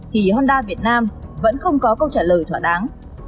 thì honda việt nam vẫn không có câu trả lời thỏa đáng